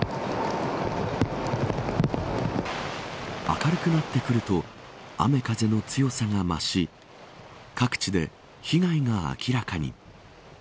明るくなってくると雨風の強さが増し各地で被害が明らかに。